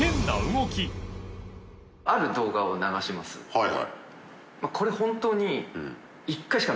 はいはい。